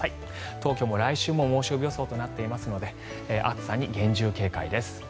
東京も来週も猛暑日予想となっていますので暑さに厳重警戒です。